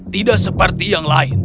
tidak seperti yang lain